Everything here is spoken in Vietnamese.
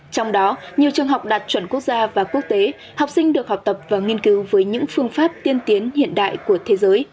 trong đó nhiều trường học đạt chuẩn quốc gia và quốc tế học sinh được học tập và nghiên cứu với những phương pháp tiên tiến hiện đại của thế giới